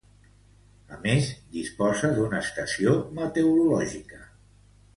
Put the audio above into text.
A més, disposa d'una estació meteorològica.